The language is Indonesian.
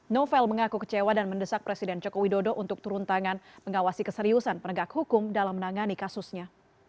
novel mengaku kecewa dan mendesak presiden joko widodo untuk turun tangan mengawasi keseriusan penegak hukum dalam menangani kasusnya